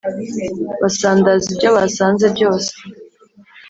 Basandaza ibyo basanze byose